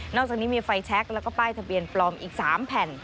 จากนี้มีไฟแชคแล้วก็ป้ายทะเบียนปลอมอีก๓แผ่น